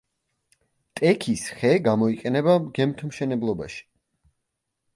ტექის ხე გამოიყენება გემთმშენებლობაში.